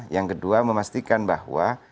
yang kedua memastikan bahwa